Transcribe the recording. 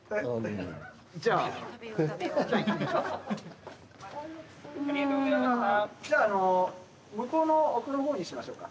じゃああの向こうの奥の方にしましょうか。